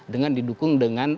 dengan didukung dengan